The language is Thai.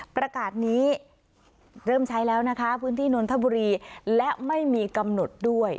ประกาศนี้เริ่มใช้แล้วนะคะพื้นที่นนทบุรีและไม่มีกำหนดด้วย